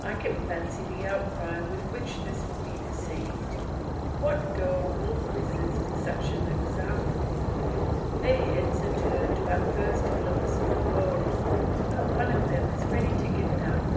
I can fancy the outcry with which this will be received. What girl will resist such an example? Their heads are turned by the first glimpse of the world; not one of them is ready to give it up.